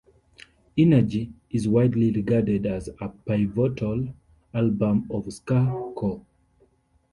"Energy" is widely regarded as a pivotal album of ska-core.